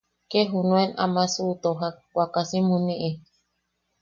Ke junuen ama suʼutojak waakasim juni.